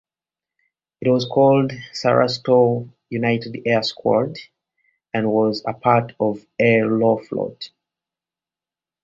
It was called "Saratov United Air Squad" and was a part of Aeroflot.